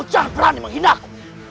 kamu jangan berani menghina aku